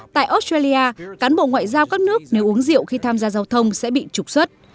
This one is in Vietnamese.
tại australia cán bộ ngoại giao các nước nếu uống rượu khi tham gia giao thông sẽ bị trục xuất